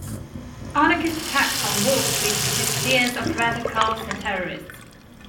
Anarchist attacks on Wall Street produced fears of radicals and terrorists.